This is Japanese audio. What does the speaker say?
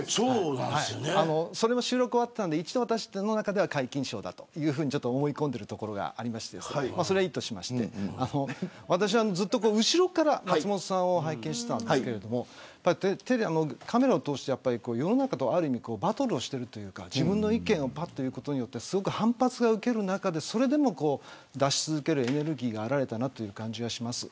それも収録が終わっていたんで一応、私の中では皆勤賞と思い込んでいるところがありまして、それはいいとして私は後ろから松本さんを拝見してたんですけどテレビを通して世の中とバトルをしているというか自分の意見を言うことで反発を受ける中でそれでも出し続けるエネルギーがあったという気がします。